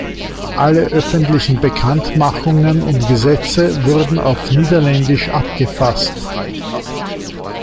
Alle öffentlichen Bekanntmachungen und Gesetze wurden auf Niederländisch abgefasst.